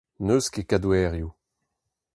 N'eus ket kadorioù.